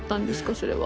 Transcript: それは。